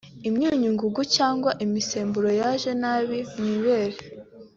imyunyu ngugu cyangwa imisemburo yaje nabi mu ibere